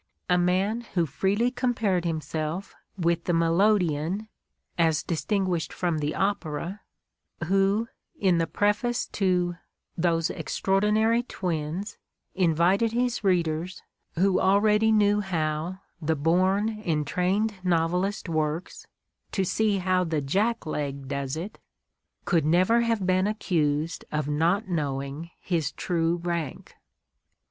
A man who freely compared himself with the melodeon, as distinguished from the opera, who, in the preface to "Those Extraordinary Twins," invited his readers, who already knew how "the born and trained novelist works," to see how the "jack leg" does it, .could never have been accused of not knowing his true rank.